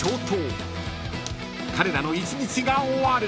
［彼らの一日が終わる］